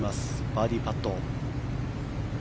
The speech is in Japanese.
バーディーパット。